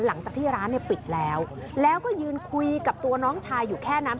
หลังจากที่ร้านเนี่ยปิดแล้วแล้วก็ยืนคุยกับตัวน้องชายอยู่แค่นั้น